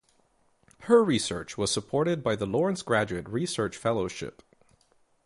Her research was supported by the Lawrence Graduate Research Fellowship.